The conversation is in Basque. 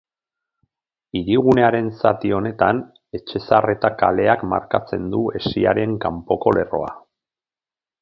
Hirigunearen zati honetan Etxezarreta kaleak markatzen du hesiaren kanpoko lerroa.